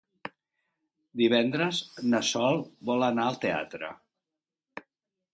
Divendres na Sol vol anar al teatre.